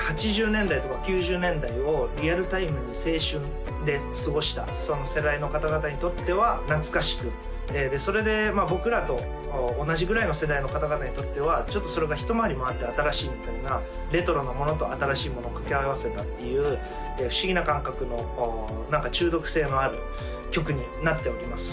８０年代とか９０年代をリアルタイムに青春で過ごしたその世代の方々にとっては懐かしくそれで僕らと同じぐらいの世代の方々にとってはちょっとそれが一回り回って新しいみたいなレトロなものと新しいものを掛け合わせたっていう不思議な感覚の何か中毒性のある曲になっております